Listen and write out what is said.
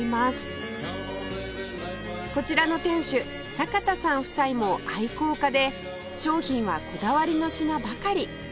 こちらの店主阪田さん夫妻も愛好家で商品はこだわりの品ばかり